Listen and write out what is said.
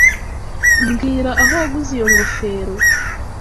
Mbwira aho waguze iyo ngofero.